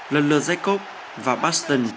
lần lượt jacob và baston